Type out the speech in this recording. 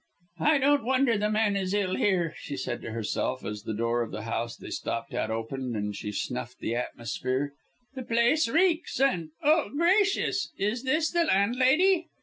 "I don't wonder the man is ill here!" she said to herself, as the door of the house they stopped at opened and she snuffed the atmosphere. "The place reeks and oh! gracious! is this the landlady?"